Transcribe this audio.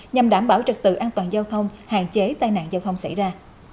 nhằm đảm bảo trật tự an toàn giao thông hạn chế tai nạn giao thông xảy ra